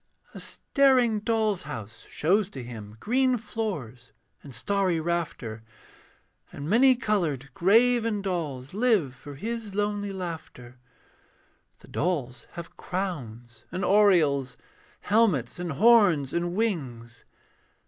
A staring doll's house shows to him Green floors and starry rafter, And many coloured graven dolls Live for his lonely laughter. The dolls have crowns and aureoles, Helmets and horns and wings.